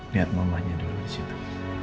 lihat mamanya dulu disitu